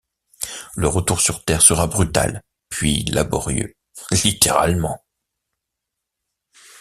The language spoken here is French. Le retour sur terre sera brutal puis laborieux, littéralement.